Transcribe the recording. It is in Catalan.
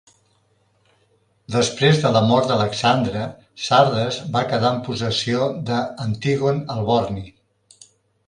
Després de la mort d'Alexandre, Sardes va quedar en possessió d'Antígon el Borni.